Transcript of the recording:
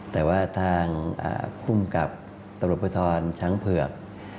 แต่ว่าทางคุมกับตับกลพทนสวนสวนช้างเผือก